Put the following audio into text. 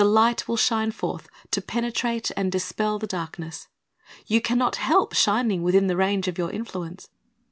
The light will shine forth, to penetrate and dispel the darkness. You can not help shining within the range of your influence.